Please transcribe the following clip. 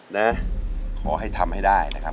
นะขอให้ทำให้ได้นะครับ